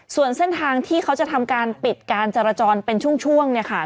ส่วนเส้นทางที่เขาจะทำการปิดการจราจรเป็นช่วง